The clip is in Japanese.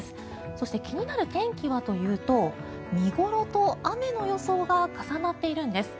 そして、気になる天気はというと見頃と雨の予想が重なっているんです。